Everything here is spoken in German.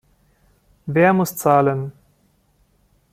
Wer muss zahlen?